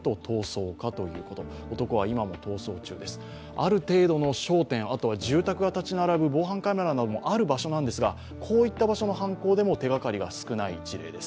ある程度の焦点、あとは住宅が建ち並ぶ防犯カメラなどもある場所なんですがこういった場所での犯行でも手がかりが少ない事例です。